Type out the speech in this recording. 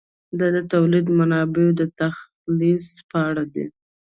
دا د تولیدي منابعو د تخصیص په اړه دی.